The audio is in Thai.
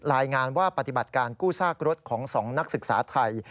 รายงานว่าปฏิบัติการกู้ซากรถของ๒นักศึกษาไทย